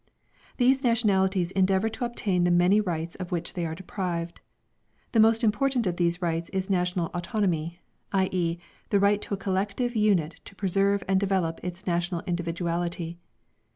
These nationalities endeavour to obtain the many rights of which they are deprived. The most important of these rights is national autonomy, i.e., the right of a collective unit to preserve and develop its national individuality.